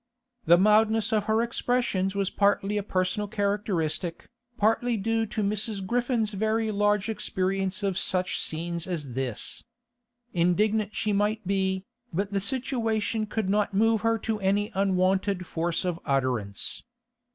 The mildness of her expressions was partly a personal characteristic, partly due to Mrs. Griffin's very large experience of such scenes as this. Indignant she might be, but the situation could not move her to any unwonted force of utterance.